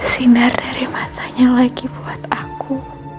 sinar dari matanya lagi buat aku